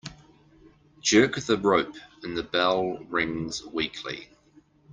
Jerk the rope and the bell rings weakly.